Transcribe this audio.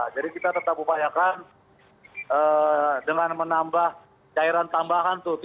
jadi kita tetap upayakan dengan menambah cairan tambahan